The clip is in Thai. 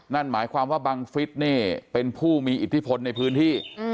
นั่นหมายความว่าบังฟิศนี่เป็นผู้มีอิทธิพลในพื้นที่